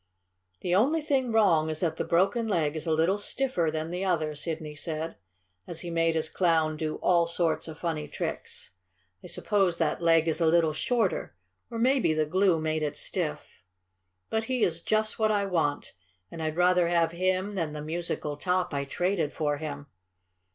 "The only thing wrong is that the broken leg is a little stiffer than the other," Sidney said, as he made his Clown do all sorts of funny tricks. "I suppose that leg is a little shorter, or maybe the glue made it stiff. But he is just what I want, and I'd rather have him than the musical top I traded for him.